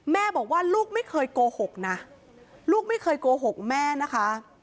แม่บอกว่าลูกไม่เคยโกหกนะลูกไม่เคยโกหกแม่นะคะ